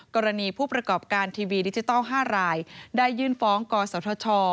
กรณีผู้ประกอบการทีวีดิจิทัล๕รายได้ยื่นฟ้องกศธช